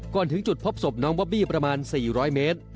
ถึงจุดพบศพน้องบอบบี้ประมาณ๔๐๐เมตร